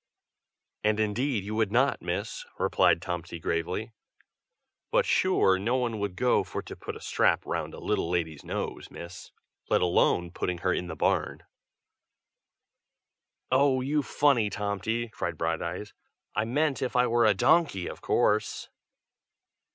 "And indeed you would not, Miss!" replied Tomty gravely. "But sure no one would go for to put a strap round a little lady's nose, Miss, let alone putting her in the barn." "Oh! you funny Tomty!" cried Brighteyes. "I meant, if I were a donkey, of course!"